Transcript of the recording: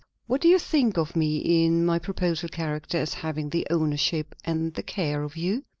What do you think of me in my proposed character as having the ownership and the care of you?"